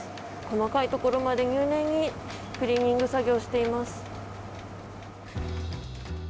細かいところまで入念にクリーニング作業しています。